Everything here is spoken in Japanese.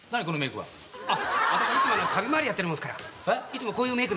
私いつも旅回りやってるもんでいつもこういうメークなんです。